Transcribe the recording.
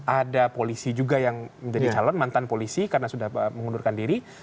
ada polisi juga yang menjadi calon mantan polisi karena sudah mengundurkan diri